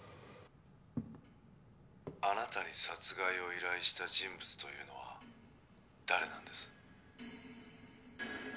あなたに殺害を依頼した人物というのは誰なんです？